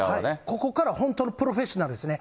ここから本当のプロフェッショナルですね。